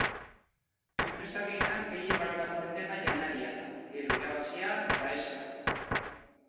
Enpresa bietan gehien baloratzen dena janaria da, gero irabaziak eta extrak.